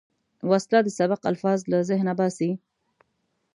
وسله د سبق الفاظ له ذهنه باسي